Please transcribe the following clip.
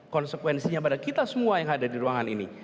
konsekuensinya pada kita semua yang ada di ruangan ini